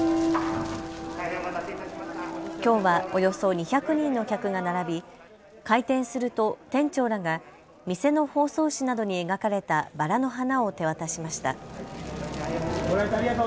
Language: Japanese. きょうはおよそ２００人の客が並び開店すると店長らが店の包装紙などに描かれたばらの花を手渡しました。